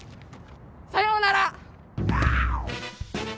さようなら！